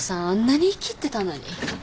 あんなにイキってたのに。